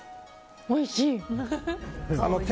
おいしい！